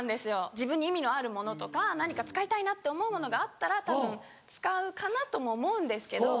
自分に意味のあるものとか何か使いたいなって思うものがあったらたぶん使うかなとも思うんですけど。